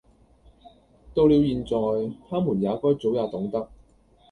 到了現在，他們也該早已懂得，……